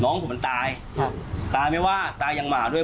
นองผมมันตายตายไหมว่าตายอย่างหมาด้วย